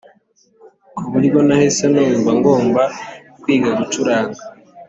ku buryo nahise numva ngomba kwiga gucuranga